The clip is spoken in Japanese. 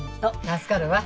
助かるわ。